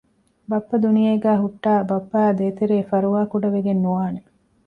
ބައްޕަ ދުނިޔޭގައި ހުއްޓައި ބައްޕައާއި ދޭތެރޭ ފަރުވާކުޑަ ވެގެން ނުވާނެ